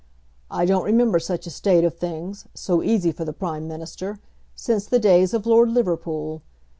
I don't remember such a state of things, so easy for the Prime Minister, since the days of Lord Liverpool.